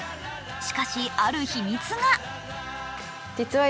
しかし、ある秘密が。